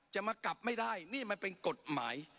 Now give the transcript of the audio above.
มากลับไม่ได้นี่มันเป็นกฎหมาย